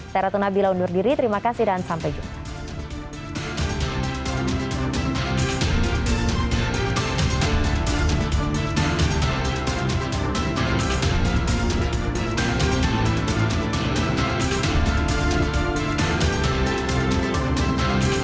saya ratu nabila undur diri terima kasih dan sampai jumpa